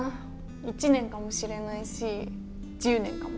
１年かもしれないし１０年かも。